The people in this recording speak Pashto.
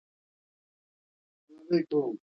د سوات سیداکبرشاه.